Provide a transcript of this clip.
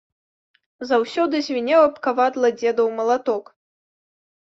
Заўсёды звінеў аб кавадла дзедаў малаток.